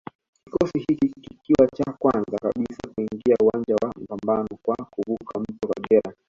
Kikosi hiki kikiwa cha kwanza kabisa kuingia uwanja wa mapambano kwa kuvuka mto Kagera